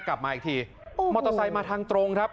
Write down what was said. กลับมาอีกทีมอเตอร์ไซค์มาทางตรงครับ